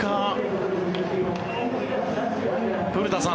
古田さん。